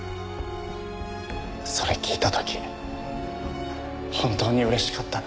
それ聞いた時本当に嬉しかったな。